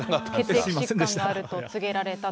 血液疾患があると告げられたと。